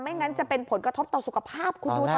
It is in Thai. ไม่งั้นจะเป็นผลกระทบต่อสุขภาพคุณครูธรรมวัฒน์